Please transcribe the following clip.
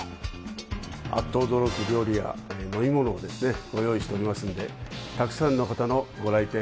あっと驚く料理や飲み物をですね、ご用意しておりますので、たくさんの方のご来店